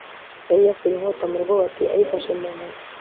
yari yakuye inkota mu rwubati ayifashe mu ntoki